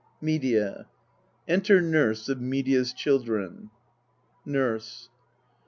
MEDEA Enter NURSE of Medea s Children NURSE.